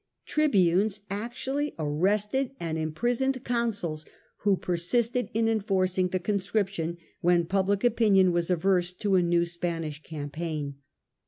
tribunes actually arrested and imprisoned consuls who persisted in enforcing the con scription, when public opinion was adverse to a new Spanish campaign.